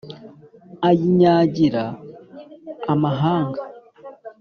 ayinyagira amahanga